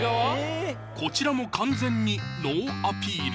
こちらも完全にノーアピール